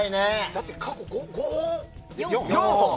だって、過去４本？